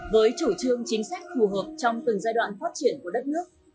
với chủ trương chính sách phù hợp trong từng giai đoạn phát triển của đất nước